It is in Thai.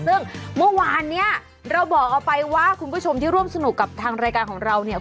ซึ่งเมื่อวานเนี้ยเราบอกเอาไปว่าคุณผู้ชมที่ร่วมสนุกกับทางรายการของเราเนี่ย